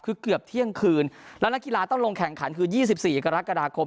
คือเกือบเที่ยงคืนแล้วนักกีฬาต้องลงแข่งขันคือ๒๔กรกฎาคม